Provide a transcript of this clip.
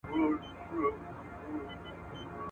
ایا ته غواړې چې آنلاین مهارتونه زده کړې؟